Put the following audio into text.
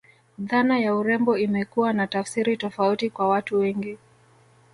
Dhana ya urembo imekuwa na tafsiri tofauti kwa watu wengi